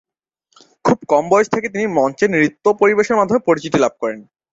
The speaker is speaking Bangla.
খুব কম বয়স থেকে তিনি মঞ্চে নৃত্য পরিবেশনের মাধ্যমে পরিচিতি লাভ করেন।